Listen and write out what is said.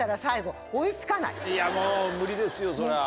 いやもう無理ですよそれは。